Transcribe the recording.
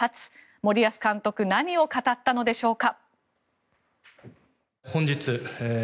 森保監督何を語ったのでしょうか。